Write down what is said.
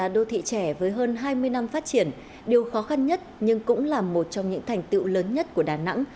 đô thị trẻ với hơn hai mươi năm phát triển điều khó khăn nhất nhưng cũng là một trong những thành tựu lớn nhất của đà nẵng